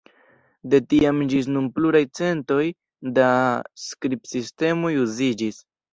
De tiam ĝis nun pluraj centoj da skribsistemoj uziĝis.